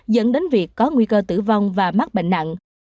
dẫn đến việc có nguy cơ tử vong và mắc bệnh nặng